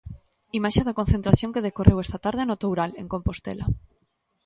Imaxe da concentración que decorreu esta tarde no Toural, en Compostela.